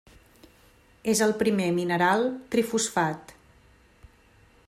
És el primer mineral trifosfat.